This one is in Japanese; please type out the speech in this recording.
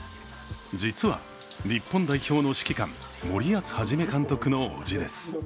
実は、日本代表の指揮官、森保一監督の叔父です。